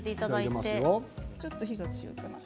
ちょっと火が強いかな？